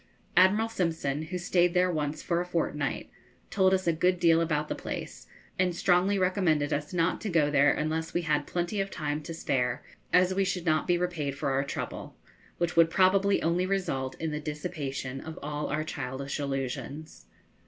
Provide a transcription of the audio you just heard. Admiral Simpson, who stayed there once for a fortnight, told us a good deal about the place, and strongly recommended us not to go there unless we had plenty of time to spare, as we should not be repaid for our trouble, which would probably only result in the dissipation of all our childish illusions.